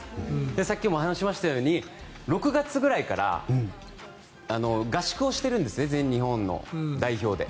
さっきお話ししましたように６月ぐらいから合宿をしているんですね全日本の代表で。